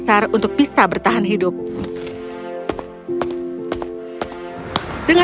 dia menggunakan teman kereta yang sudah tidak digunakan